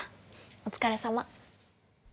お疲れさま。